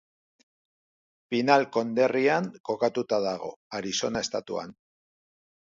Pinal konderrian kokatuta dago, Arizona estatuan.